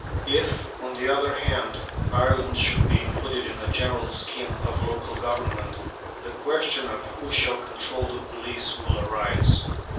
If, on the other hand, Ireland should be included in a general scheme of local Government, the question of who shall control the police will arise.